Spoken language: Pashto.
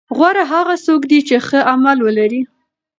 غوره هغه څوک دی چې ښه عمل ولري.